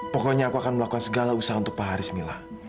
pokoknya aku akan melakukan segala usaha untuk pak harismillah